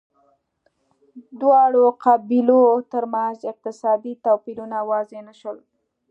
دواړو قبیلو ترمنځ اقتصادي توپیرونه واضح نه شول